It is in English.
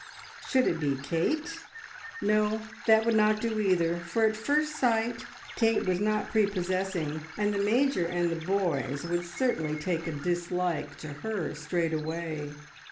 Should it be Kate? No, that would not do either, for at first sight Kate was not prepossessing, and the Major and the boys would certainly take a dislike to her straightway.